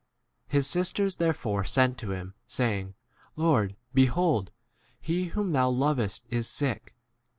3 His sisters therefore sent to him, saying, Lord, behold, he whom 4 thou lovest is sick.